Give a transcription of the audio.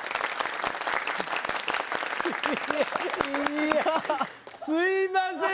いやすいません